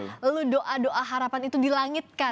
lalu doa doa harapan itu dilangitkan